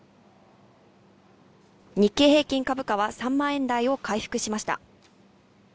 日経平均株価は３万円台を回復しました。